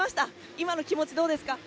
今の気持ち、どうですか？